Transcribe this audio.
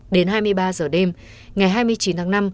đến hai mươi ba giờ đêm ngày hai mươi chín tháng năm